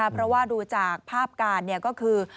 เพราะว่าดูจากภาพการก็คือ